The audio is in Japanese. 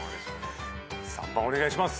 ３番お願いします。